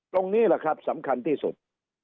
ตรงนี้แหละครับสำคัญที่สุด